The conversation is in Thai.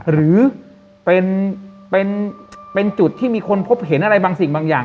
หรือเป็นจุดที่มีคนพบเห็นอะไรบางสิ่งบางอย่าง